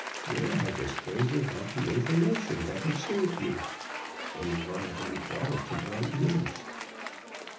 Where had the stranger got the information that had saved me? and why had he brought it to my ears?